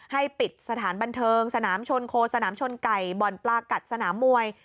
ให้ปิดสถานบันเทิงสนามชนโคสนามชนไก่บ่อนปลากัดสนามมวย